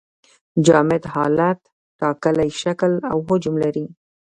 جامد حالت ټاکلی شکل او حجم لري.